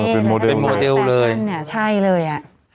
เป็นโมเดลเลย